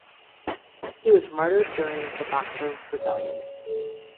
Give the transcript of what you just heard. He was martyred during the Boxer Rebellion.